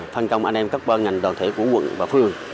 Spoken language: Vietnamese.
phân công anh em các ban ngành đoàn thể của quận và phường